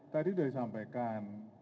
tadi sudah disampaikan